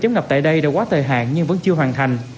chống ngập tại đây đã quá thời hạn nhưng vẫn chưa hoàn thành